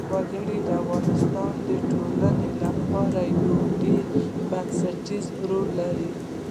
وګړي د افغانستان د ټولنې لپاره یو ډېر بنسټيز رول لري.